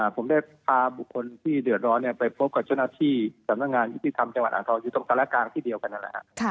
ผมได้พาบุคคลที่เดือดร้อนไปพบกับเจ้าหน้าที่สำนักงานยุติธรรมจังหวัดอ่างทองอยู่ตรงสารกลางที่เดียวกันนั่นแหละครับ